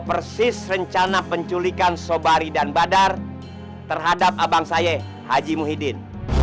persis rencana penculikan sobari dan badar terhadap abang saya haji muhyiddin